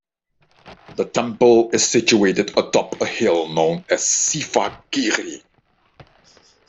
The temple is situated atop a hill known as Sivagiri.